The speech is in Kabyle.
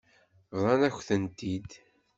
Bḍant-akent-t-id.